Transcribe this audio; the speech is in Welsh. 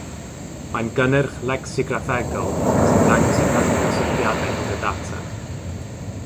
Mae'n gynnyrch lecsigraffegol sy'n dangos y rhyng-gysylltiadau rhwng y data.